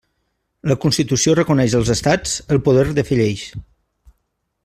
La Constitució reconeix als estats el poder de fer lleis.